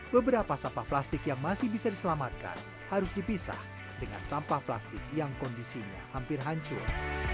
beberapa sampah plastik yang masih bisa diselamatkan harus dipisah dengan sampah plastik yang kondisinya hampir hancur